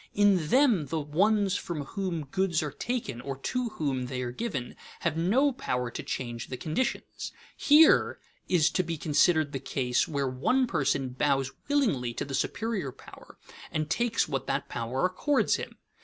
In them the ones from whom goods are taken or to whom they are given have no power to change the conditions; here is to be considered the case where the person bows willingly to the superior power and takes what that power accords him.